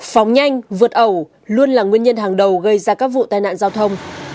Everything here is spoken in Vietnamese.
phóng nhanh vượt ẩu luôn là nguyên nhân hàng đầu gây ra các vụ tai nạn giao thông